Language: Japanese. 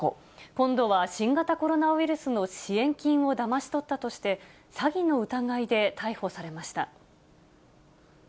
今度は新型コロナウイルスの支援金をだまし取ったとして、詐欺の疑いで逮捕されました。